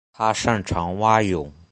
他擅长蛙泳。